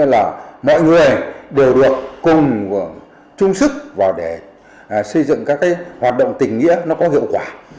xây dựng các hoạt động tỉnh nghĩa nó có hiệu quả